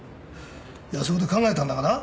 そこで考えたんだがな